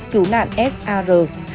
cứu nạn sar hai trăm bảy mươi hai